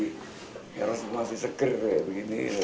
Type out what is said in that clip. kekmairas masih sekrit kayak begini